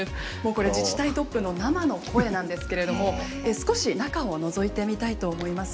これ自治体トップの生の声なんですけれども少し中をのぞいてみたいと思います。